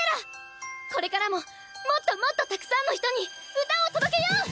これからももっともっとたくさんの人に歌を届けよう！